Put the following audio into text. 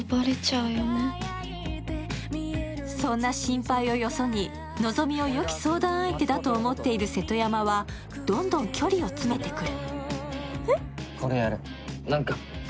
そんな心配をよそに希美をよき相談相手だと思っている瀬戸山はどんどん距離を詰めてくる。